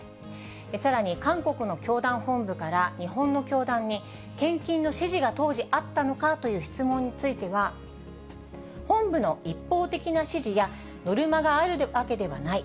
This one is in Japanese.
さらに韓国の教団本部から日本の教団に献金の指示が当時、あったのかという質問については、本部の一方的な指示や、ノルマがあるわけではない。